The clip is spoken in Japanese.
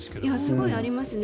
すごいありますね。